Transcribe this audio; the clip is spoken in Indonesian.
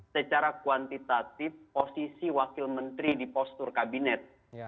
secara kuantitatif posisi wakil menteri di postur kabinet